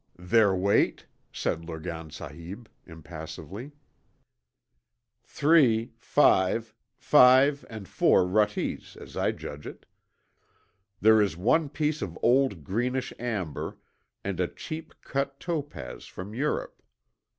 'Their weight?' said Lurgan Sahib, impassively. 'Three five five and four ruttees, as I judge it. There is one piece of old greenish amber, and a cheap cut topaz from Europe.